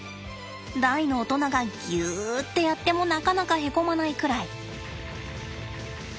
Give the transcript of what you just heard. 大の大人がぎゅってやってもなかなかへこまないくらい。